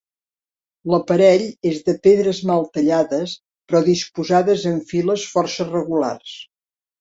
L'aparell és de pedres mal tallades però disposades en files força regulars.